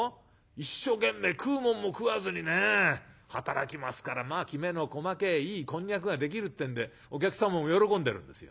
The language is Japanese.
一生懸命食うもんも食わずにね働きますからまあきめの細けえいいこんにゃくができるってんでお客様も喜んでるんですよ。